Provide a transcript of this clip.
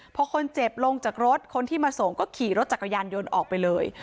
พอคนเจ็บลงจากรถคนที่มาส่งก็ขี่รถจักรยานยนต์ออกไปเลย